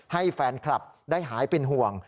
ให้แฟนคลับได้หายเป็นห่วง